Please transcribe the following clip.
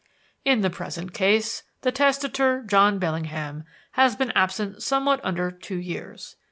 "In the present case, the testator, John Bellingham, has been absent somewhat under two years.